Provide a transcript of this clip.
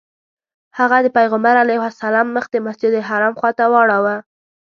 هغه د پیغمبر علیه السلام مخ د مسجدالحرام خواته واړوه.